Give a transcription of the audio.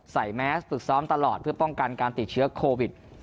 แมสฝึกซ้อมตลอดเพื่อป้องกันการติดเชื้อโควิด